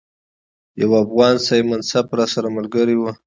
یو افغان صاحب منصب راسره ملګری وو.